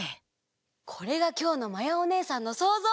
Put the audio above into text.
これがきょうのまやおねえさんのそうぞう。